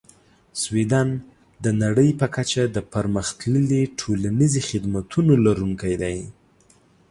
سویدن د نړۍ په کچه د پرمختللې ټولنیزې خدمتونو لرونکی دی.